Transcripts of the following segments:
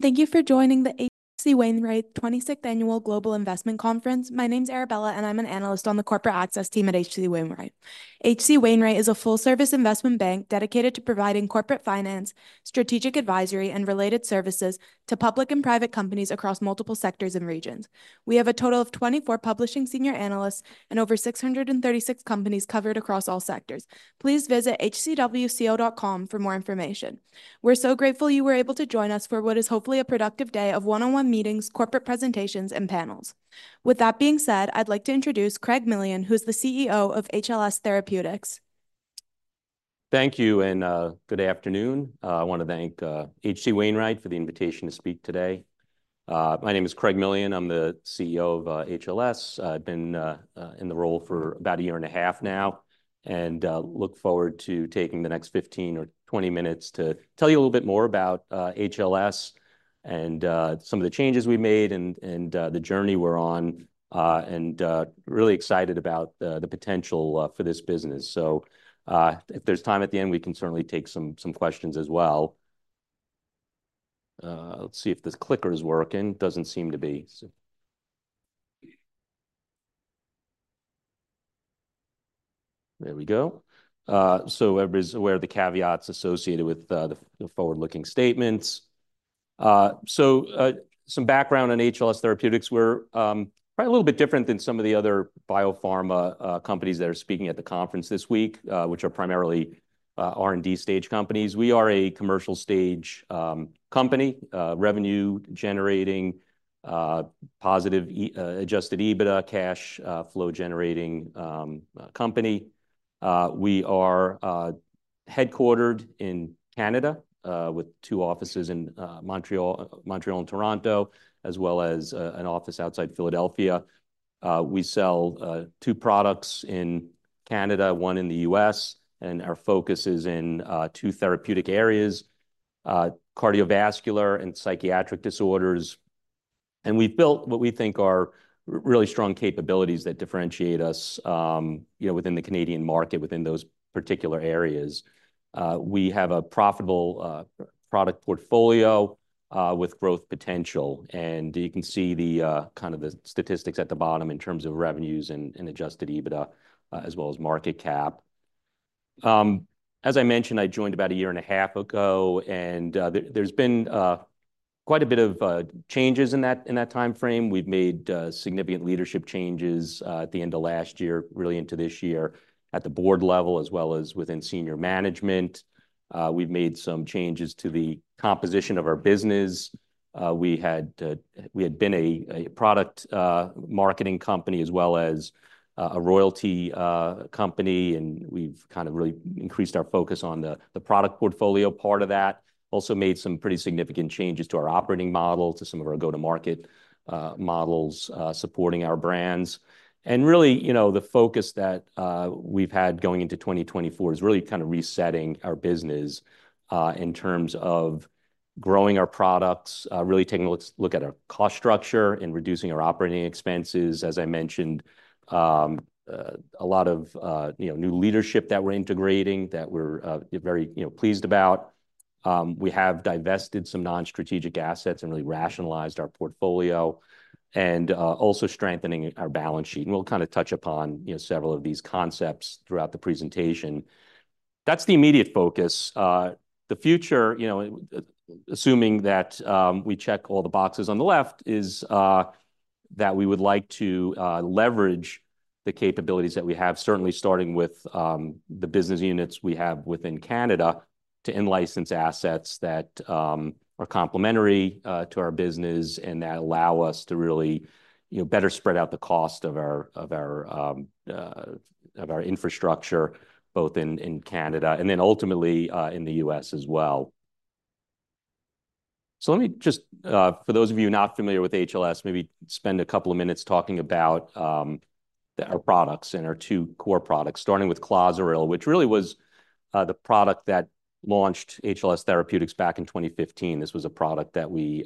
Thank you for joining the H.C. Wainwright 26th Annual Global Investment Conference. My name's Arabella, and I'm an analyst on the corporate access team at H.C. Wainwright. H.C. Wainwright is a full-service investment bank dedicated to providing corporate finance, strategic advisory, and related services to public and private companies across multiple sectors and regions. We have a total of 24 publishing senior analysts and over 636 companies covered across all sectors. Please visit hcwco.com for more information. We're so grateful you were able to join us for what is hopefully a productive day of one-on-one meetings, corporate presentations, and panels. With that being said, I'd like to introduce Craig Millian, who's the CEO of HLS Therapeutics. Thank you, and good afternoon. I want to thank H.C. Wainwright for the invitation to speak today. My name is Craig Millian. I'm the CEO of HLS. I've been in the role for about a year and a half now, and look forward to taking the next fifteen or twenty minutes to tell you a little bit more about HLS and some of the changes we made and the journey we're on. And really excited about the potential for this business. So, if there's time at the end, we can certainly take some questions as well. Let's see if this clicker's working. Doesn't seem to be. So... There we go. So everybody's aware of the caveats associated with the forward-looking statements. So, some background on HLS Therapeutics. We're probably a little bit different than some of the other biopharma companies that are speaking at the conference this week, which are primarily R&D stage companies. We are a commercial stage company, revenue-generating, positive adjusted EBITDA, cash flow-generating company. We are headquartered in Canada, with two offices in Montreal and Toronto, as well as an office outside Philadelphia. We sell two products in Canada, one in the US, and our focus is in two therapeutic areas, cardiovascular and psychiatric disorders. We've built what we think are really strong capabilities that differentiate us, you know, within the Canadian market, within those particular areas. We have a profitable product portfolio with growth potential. You can see the kind of the statistics at the bottom in terms of revenues and adjusted EBITDA, as well as market cap. As I mentioned, I joined about a year and a half ago, and there's been quite a bit of changes in that time frame. We've made significant leadership changes at the end of last year, really into this year, at the board level, as well as within senior management. We've made some changes to the composition of our business. We had been a product marketing company as well as a royalty company, and we've kind of really increased our focus on the product portfolio part of that. Also made some pretty significant changes to our operating model, to some of our go-to-market models supporting our brands. And really, you know, the focus that we've had going into 2024 is really kind of resetting our business in terms of growing our products, really taking a look at our cost structure and reducing our operating expenses. As I mentioned, a lot of you know, new leadership that we're integrating, that we're very you know, pleased about. We have divested some non-strategic assets and really rationalized our portfolio, and also strengthening our balance sheet. And we'll kind of touch upon you know, several of these concepts throughout the presentation. That's the immediate focus. The future, you know, assuming that we check all the boxes on the left, is that we would like to leverage the capabilities that we have, certainly starting with the business units we have within Canada, to in-license assets that are complementary to our business and that allow us to really, you know, better spread out the cost of our infrastructure, both in Canada and then ultimately in the U.S. as well. So let me just, for those of you not familiar with HLS, maybe spend a couple of minutes talking about our products and our two core products, starting with Clozaril, which really was the product that launched HLS Therapeutics back in twenty fifteen. This was a product that we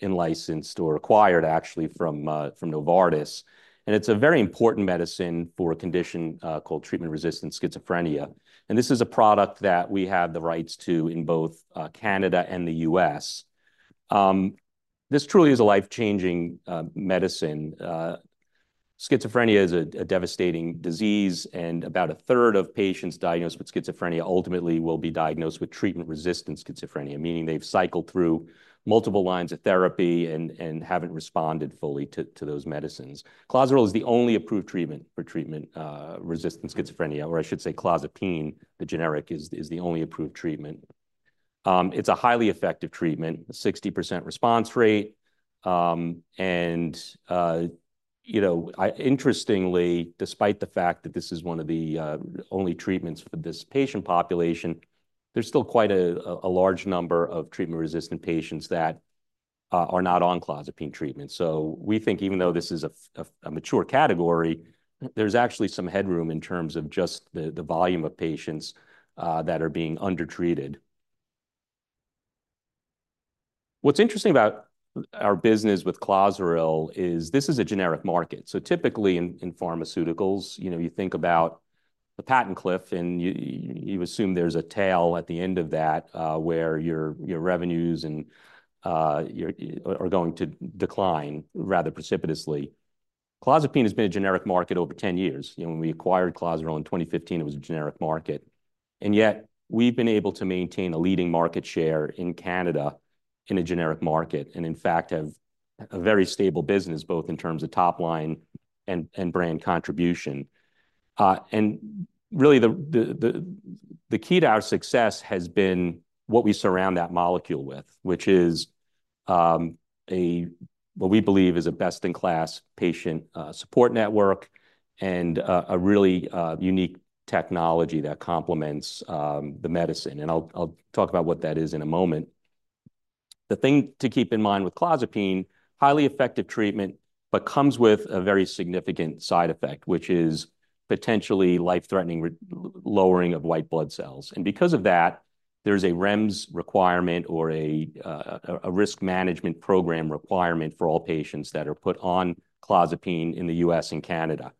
in-licensed or acquired, actually, from Novartis. And it's a very important medicine for a condition called treatment-resistant schizophrenia, and this is a product that we have the rights to in both Canada and the U.S. This truly is a life-changing medicine. Schizophrenia is a devastating disease, and about a third of patients diagnosed with schizophrenia ultimately will be diagnosed with treatment-resistant schizophrenia, meaning they've cycled through multiple lines of therapy and haven't responded fully to those medicines. Clozaril is the only approved treatment for treatment-resistant schizophrenia, or I should say clozapine, the generic, is the only approved treatment. It's a highly effective treatment, 60% response rate. And, you know, interestingly, despite the fact that this is one of the only treatments for this patient population, there's still quite a large number of treatment-resistant patients that are not on clozapine treatment. So we think even though this is a mature category, there's actually some headroom in terms of just the volume of patients that are being undertreated. What's interesting about our business with Clozaril is this is a generic market. So typically, in pharmaceuticals, you know, you think about the patent cliff, and you assume there's a tail at the end of that, where your revenues and your are going to decline rather precipitously. Clozapine has been a generic market over 10 years. You know, when we acquired Clozaril in 2015, it was a generic market, and yet we've been able to maintain a leading market share in Canada in a generic market, and in fact, have a very stable business, both in terms of top line and brand contribution. And really, the key to our success has been what we surround that molecule with, which is a what we believe is a best-in-class patient support network and a really unique technology that complements the medicine. And I'll talk about what that is in a moment. The thing to keep in mind with clozapine, highly effective treatment, but comes with a very significant side effect, which is potentially life-threatening lowering of white blood cells. And because of that, there's a REMS requirement or a risk management program requirement for all patients that are put on clozapine in the U.S. and Canada.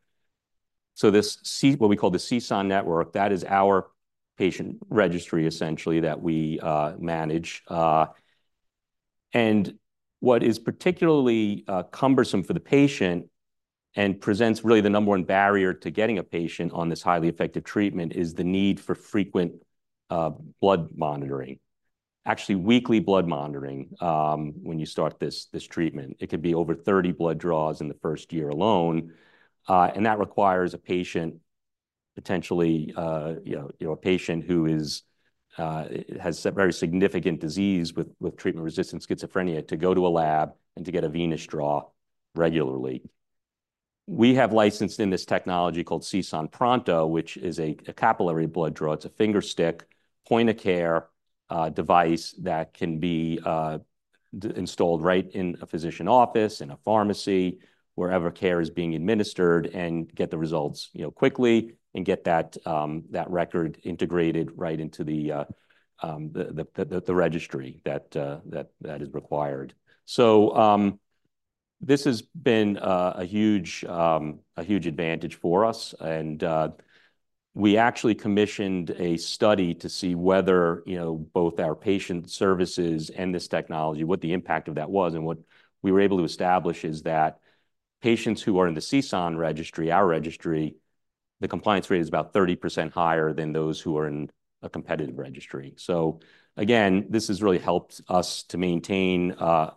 So this, what we call the CSAN network, that is our patient registry, essentially, that we manage. And what is particularly cumbersome for the patient and presents really the number one barrier to getting a patient on this highly effective treatment is the need for frequent blood monitoring. Actually, weekly blood monitoring when you start this treatment. It could be over 30 blood draws in the first year alone, and that requires a patient, potentially, you know, a patient who has very significant disease with treatment-resistant schizophrenia, to go to a lab and to get a venous draw regularly. We have licensed in this technology called CSAN Pronto, which is a capillary blood draw. It's a fingerstick, point-of-care device that can be installed right in a physician office, in a pharmacy, wherever care is being administered, and get the results, you know, quickly and get that record integrated right into the registry that is required. So, this has been a huge advantage for us, and we actually commissioned a study to see whether, you know, both our patient services and this technology, what the impact of that was. And what we were able to establish is that patients who are in the CSAN registry, our registry, the compliance rate is about 30% higher than those who are in a competitive registry. So again, this has really helped us to maintain a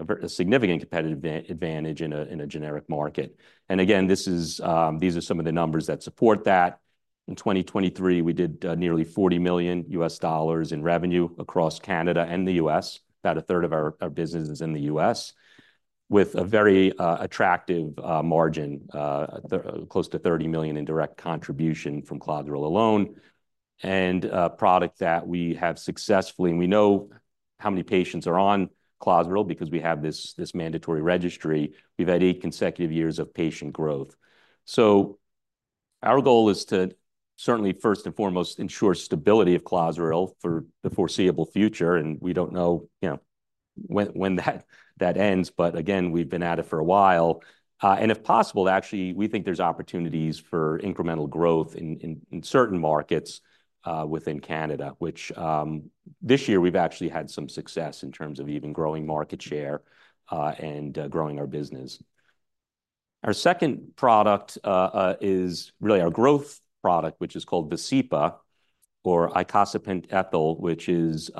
very significant competitive advantage in a generic market. And again, this is these are some of the numbers that support that. In 2023, we did nearly $40 million in revenue across Canada and the US. About a third of our business is in the US, with a very attractive margin close to $30 million in direct contribution from Clozaril alone, and a product that we have successfully... And we know how many patients are on Clozaril because we have this mandatory registry. We've had 8 consecutive years of patient growth. Our goal is to certainly, first and foremost, ensure stability of Clozaril for the foreseeable future, and we don't know, you know, when that ends. But again, we've been at it for a while. And if possible, actually, we think there's opportunities for incremental growth in certain markets within Canada, which this year we've actually had some success in terms of even growing market share and growing our business. Our second product is really our growth product, which is called Vascepa, or icosapent ethyl, which is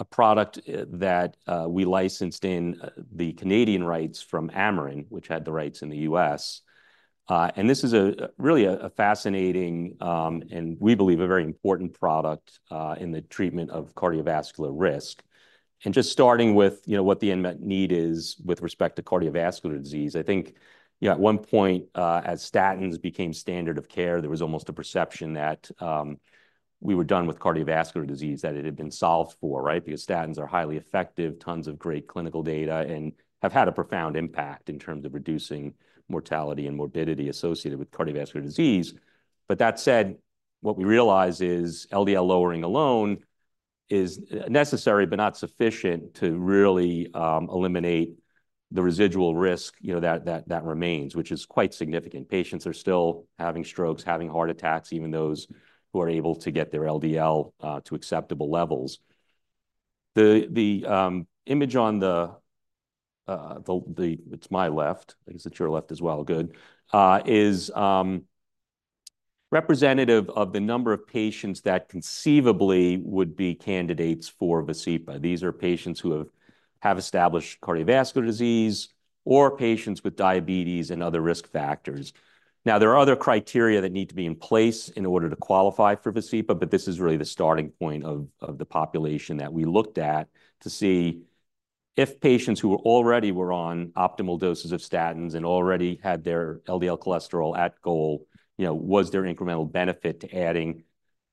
a product that we licensed the Canadian rights from Amarin, which had the rights in the U.S. And this is really a fascinating and we believe a very important product in the treatment of cardiovascular risk. Just starting with, you know, what the unmet need is with respect to cardiovascular disease, I think, you know, at one point, as statins became standard of care, there was almost a perception that we were done with cardiovascular disease, that it had been solved for, right? Because statins are highly effective, tons of great clinical data, and have had a profound impact in terms of reducing mortality and morbidity associated with cardiovascular disease. But that said, what we realize is LDL lowering alone is necessary, but not sufficient to really eliminate the residual risk, you know, that remains, which is quite significant. Patients are still having strokes, having heart attacks, even those who are able to get their LDL to acceptable levels. The image on the, it's my left. I guess it's your left as well, good, is representative of the number of patients that conceivably would be candidates for Vascepa. These are patients who have established cardiovascular disease or patients with diabetes and other risk factors. Now, there are other criteria that need to be in place in order to qualify for Vascepa, but this is really the starting point of the population that we looked at, to see if patients who were already on optimal doses of statins and already had their LDL cholesterol at goal, you know, was there incremental benefit to adding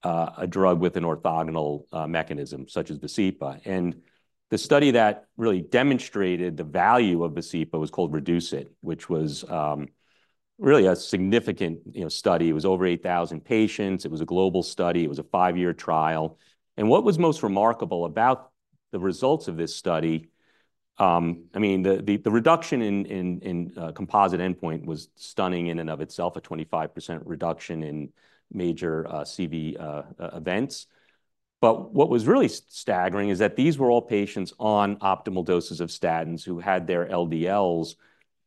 a drug with an orthogonal mechanism, such as Vascepa? And the study that really demonstrated the value of Vascepa was called REDUCE-IT, which was really a significant, you know, study. It was over 8,000 patients. It was a global study. It was a five-year trial. And what was most remarkable about the results of this study, I mean, the reduction in composite endpoint was stunning in and of itself, a 25% reduction in major CV events. But what was really staggering is that these were all patients on optimal doses of statins who had their LDLs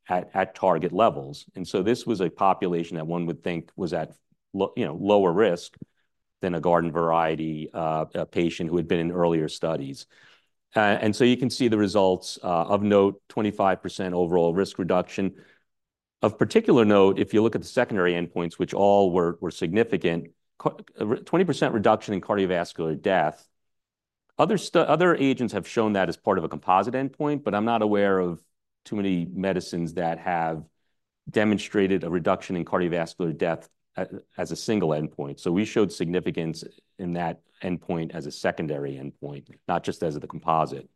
at target levels. And so this was a population that one would think was at lo- you know, lower risk than a garden variety patient who had been in earlier studies. And so you can see the results. Of note, 25% overall risk reduction. Of particular note, if you look at the secondary endpoints, which all were significant, 20% reduction in cardiovascular death. Other agents have shown that as part of a composite endpoint, but I'm not aware of too many medicines that have demonstrated a reduction in cardiovascular death as a single endpoint. So we showed significance in that endpoint as a secondary endpoint, not just as the composite.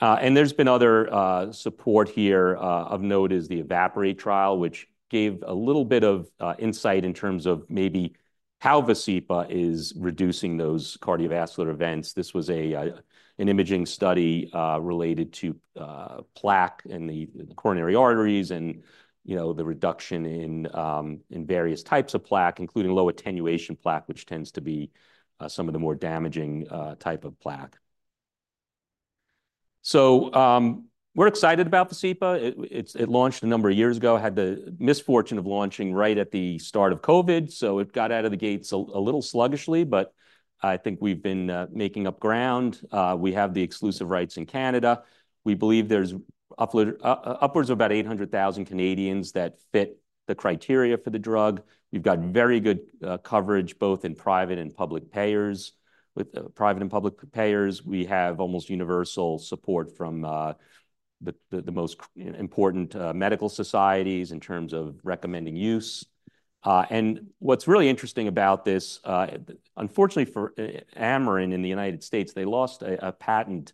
And there's been other support here. Of note is the EVAPORATE trial, which gave a little bit of insight in terms of maybe how Vascepa is reducing those cardiovascular events. This was an imaging study related to plaque in the coronary arteries and, you know, the reduction in various types of plaque, including low-attenuation plaque, which tends to be some of the more damaging type of plaque. So, we're excited about Vascepa. It launched a number of years ago, had the misfortune of launching right at the start of COVID, so it got out of the gates a little sluggishly, but I think we've been making up ground. We have the exclusive rights in Canada. We believe there's upwards of about eight hundred thousand Canadians that fit the criteria for the drug. We've got very good coverage, both in private and public payers. With private and public payers, we have almost universal support from the most important medical societies in terms of recommending use. And what's really interesting about this. Unfortunately for Amarin in the United States, they lost a patent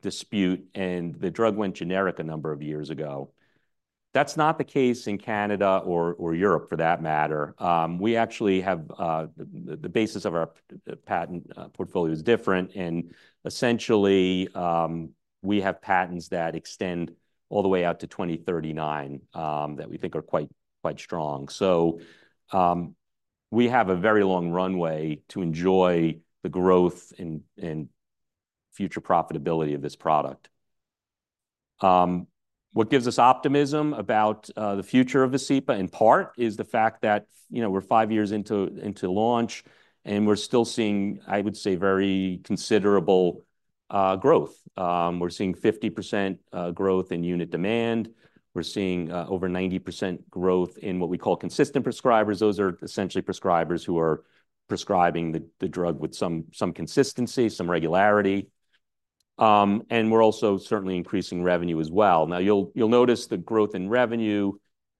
dispute, and the drug went generic a number of years ago. That's not the case in Canada or Europe, for that matter. We actually have the basis of our patent portfolio is different, and essentially, we have patents that extend all the way out to 2039, that we think are quite, quite strong. We have a very long runway to enjoy the growth and future profitability of this product. What gives us optimism about the future of Vascepa, in part, is the fact that, you know, we're five years into launch, and we're still seeing, I would say, very considerable growth. We're seeing 50% growth in unit demand. We're seeing over 90% growth in what we call consistent prescribers. Those are essentially prescribers who are prescribing the drug with some consistency, some regularity. And we're also certainly increasing revenue as well. Now, you'll notice the growth in revenue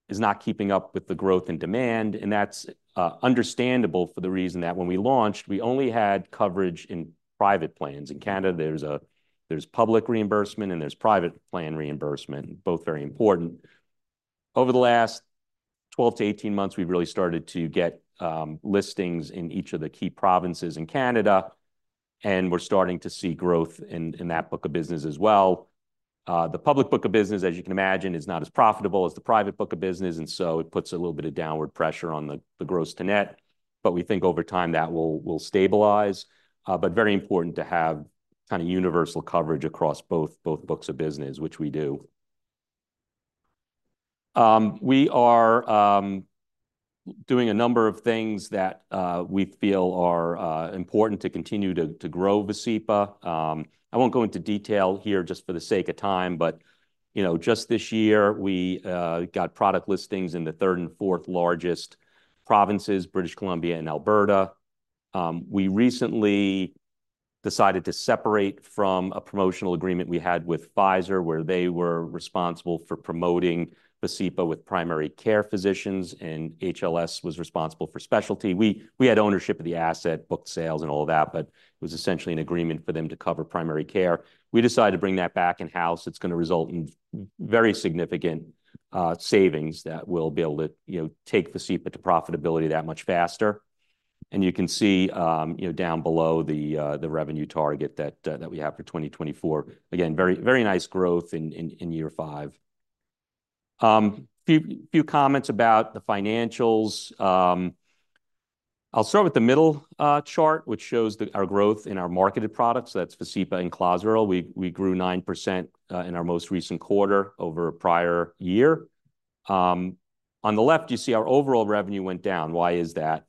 is not keeping up with the growth in demand, and that's understandable for the reason that when we launched, we only had coverage in private plans. In Canada, there's public reimbursement, and there's private plan reimbursement, both very important. Over the last twelve to eighteen months, we've really started to get listings in each of the key provinces in Canada, and we're starting to see growth in that book of business as well. The public book of business, as you can imagine, is not as profitable as the private book of business, and so it puts a little bit of downward pressure on the gross to net, but we think over time that will stabilize, but very important to have kind of universal coverage across both books of business, which we do. We are doing a number of things that we feel are important to continue to grow Vascepa. I won't go into detail here just for the sake of time, but you know, just this year, we got product listings in the third and fourth largest provinces, British Columbia and Alberta. We recently decided to separate from a promotional agreement we had with Pfizer, where they were responsible for promoting Vascepa with primary care physicians, and HLS was responsible for specialty. We had ownership of the asset, book sales, and all of that, but it was essentially an agreement for them to cover primary care. We decided to bring that back in-house. It's going to result in very significant savings that will be able to you know, take Vascepa to profitability that much faster. You can see, you know, down below the revenue target that we have for 2024. Again, very, very nice growth in year five. Few comments about the financials. I'll start with the middle chart, which shows that our growth in our marketed products, that's Vascepa and Clozaril. We grew 9% in our most recent quarter over a prior year. On the left, you see our overall revenue went down. Why is that?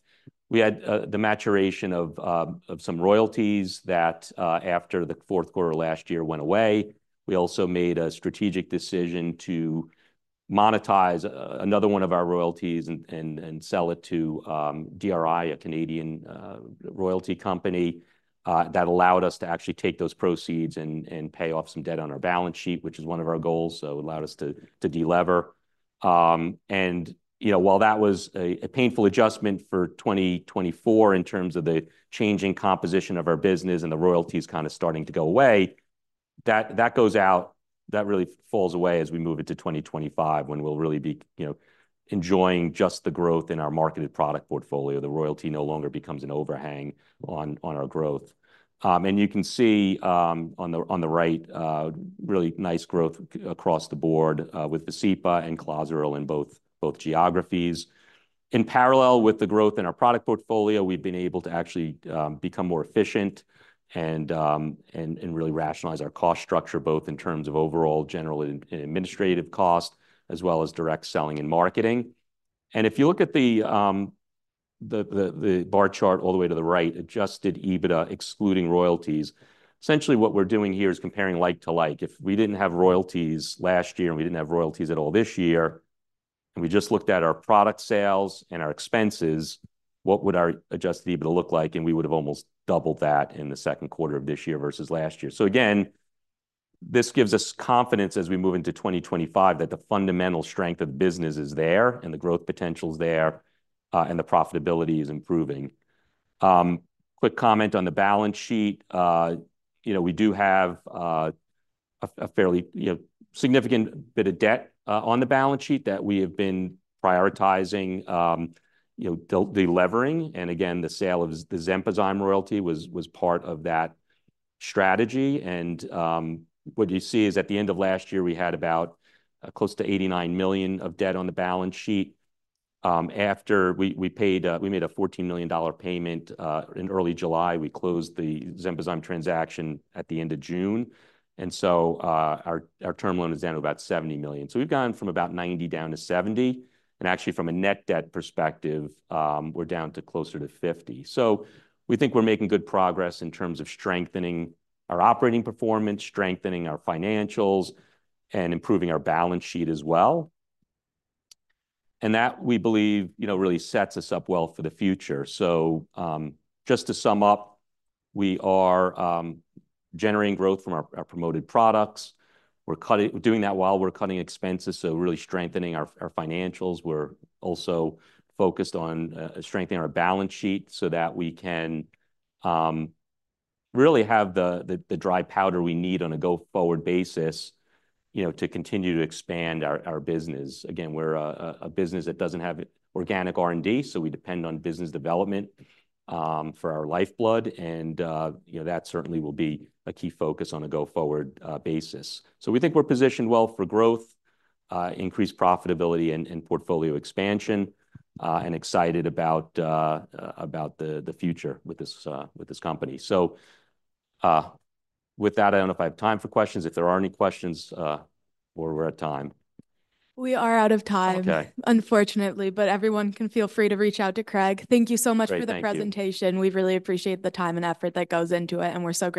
We had the maturation of some royalties that, after the fourth quarter of last year, went away. We also made a strategic decision to monetize another one of our royalties and sell it to DRI, a Canadian royalty company. That allowed us to actually take those proceeds and pay off some debt on our balance sheet, which is one of our goals, so it allowed us to delever. And you know, while that was a painful adjustment for twenty twenty-four in terms of the changing composition of our business and the royalties kind of starting to go away, that really falls away as we move into twenty twenty-five, when we'll really be enjoying just the growth in our marketed product portfolio. The royalty no longer becomes an overhang on our growth. And you can see on the right really nice growth across the board with Vascepa and Clozaril in both geographies. In parallel with the growth in our product portfolio, we've been able to actually become more efficient and really rationalize our cost structure, both in terms of overall general and administrative cost, as well as direct selling and marketing, and if you look at the bar chart all the way to the right, Adjusted EBITDA, excluding royalties, essentially what we're doing here is comparing like to like. If we didn't have royalties last year, and we didn't have royalties at all this year, and we just looked at our product sales and our expenses, what would our Adjusted EBITDA look like, and we would've almost doubled that in the second quarter of this year versus last year. So again, this gives us confidence as we move into twenty twenty-five, that the fundamental strength of the business is there, and the growth potential is there, and the profitability is improving. Quick comment on the balance sheet. You know, we do have a fairly significant bit of debt on the balance sheet that we have been prioritizing delevering. And again, the sale of the Xenazine royalty was part of that strategy. And what you see is, at the end of last year, we had about close to $89 million of debt on the balance sheet. After we paid, we made a $14 million payment in early July. We closed the Xenazine transaction at the end of June, and so, our term loan is down to about $70 million. So we've gone from about $90 million down to $70 million, and actually, from a net debt perspective, we're down to closer to $50 million. So we think we're making good progress in terms of strengthening our operating performance, strengthening our financials, and improving our balance sheet as well. And that, we believe, you know, really sets us up well for the future. So, just to sum up, we are generating growth from our promoted products. We're doing that while we're cutting expenses, so really strengthening our financials. We're also focused on strengthening our balance sheet so that we can really have the dry powder we need on a go-forward basis, you know, to continue to expand our business. Again, we're a business that doesn't have organic R&D, so we depend on business development for our lifeblood. And you know, that certainly will be a key focus on a go-forward basis. So we think we're positioned well for growth, increased profitability, and portfolio expansion, and excited about the future with this company. So with that, I don't know if I have time for questions. If there are any questions or we're out of time? We are out of time. Okay. Unfortunately, but everyone can feel free to reach out to Craig. Thank you so much for the presentation. Great. Thank you. We really appreciate the time and effort that goes into it, and we're so-